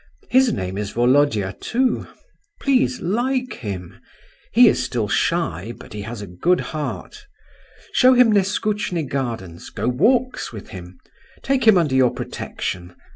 His name is Volodya, too. Please, like him; he is still shy, but he has a good heart. Show him Neskutchny gardens, go walks with him, take him under your protection.